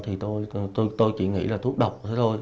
thì tôi chỉ nghĩ là thuốc độc thế thôi